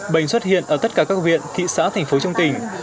bệnh xuất hiện ở tất cả các huyện thị xã thành phố trong tỉnh